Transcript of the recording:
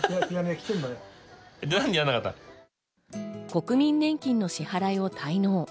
国民年金の支払いを滞納。